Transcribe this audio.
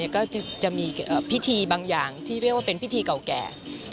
ก็จะมีพิธีบางอย่างที่เรียกว่าเป็นพิธีเก่าแก่